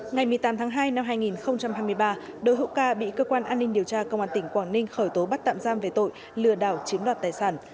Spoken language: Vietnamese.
ngày một mươi tám tháng hai năm hai nghìn hai mươi ba đỗ hữu ca bị cơ quan an ninh điều tra công an tỉnh quảng ninh khởi tố bắt tạm giam về tội lừa đảo chiếm đoạt tài sản